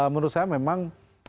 menurut saya memang